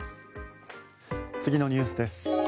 次のニュースです。